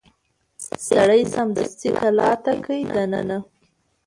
سړي سمدستي کلا ته کړ دننه